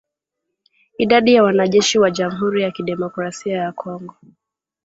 Idadi ya wanajeshi wa jamhuri ya kidemokrasia ya Kongo